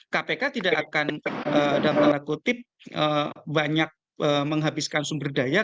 kpk tidak akan dalam tanda kutip banyak menghabiskan sumber daya